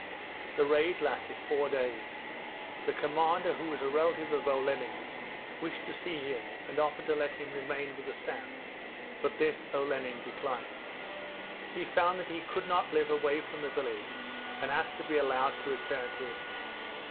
The raid lasted four days. The commander, who was a relative of Olenin's, wished to see him and offered to let him remain with the staff, but this Olenin declined. He found that he could not live away from the village, and asked to be allowed to return to it.